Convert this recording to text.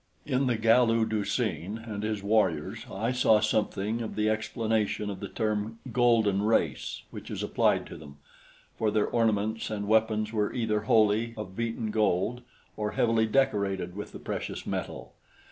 In the Galu Du seen and his warriors I saw something of the explanation of the term "golden race" which is applied to them, for their ornaments and weapons were either wholly of beaten gold or heavily decorated with the precious metal.